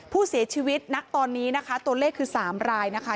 ผู้เสียชีวิตณตอนนี้นะคะตัวเลขคือ๓รายนะคะ